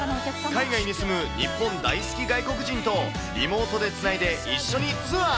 海外に住む日本大好き外国人とリモートでつないで、一緒にツアー。